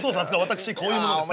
私こういう者です。